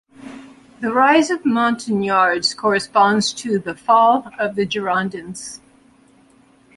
The rise of Montagnards corresponds to the fall of the Girondins.